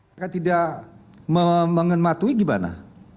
mereka tidak mengenmatui gimana